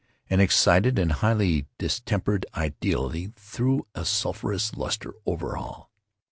An excited and highly distempered ideality threw a sulphureous lustre over all.